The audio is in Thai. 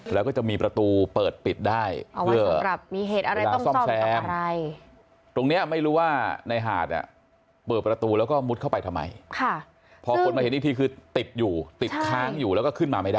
แล้วก็จะมีประตูเปิดปิดได้เพื่อเสร็จสังคม